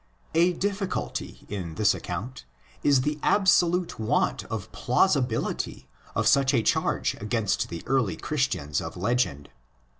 A difficulty in this account is the absolute want of plausibility of such a charge against the early Chris tians of legend.